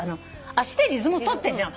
足でリズム取ってんじゃない。